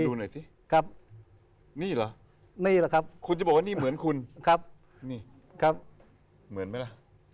หน่อยสิครับนี่เหรอนี่แหละครับคุณจะบอกว่านี่เหมือนคุณครับนี่ครับเหมือนไหมล่ะ